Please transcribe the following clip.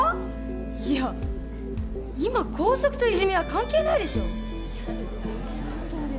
いや今校則といじめは関係ないでしょ？